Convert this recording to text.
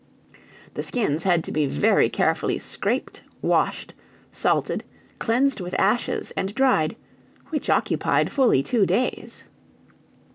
The skins had to be very carefully scraped, washed, salted, cleansed with ashes, and dried; which occupied fully two days.